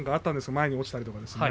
前に落ちたりとか。